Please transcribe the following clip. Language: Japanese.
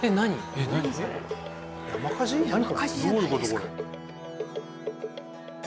山火事じゃないですか？